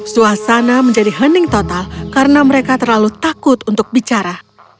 suasana menjadi hening total karena mereka terlalu takut untuk bicara